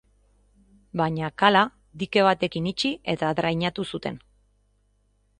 Baina kala dike batekin itxi eta drainatu zuten.